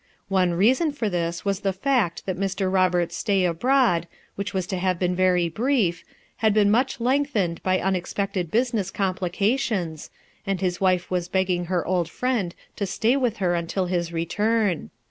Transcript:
One reason for this was the fact that Mr. Roberts's stay abroad, which was to have been very brief, had been much lengthened by unexpected business complications, and his wife was begging her old friend to stay with her until his return.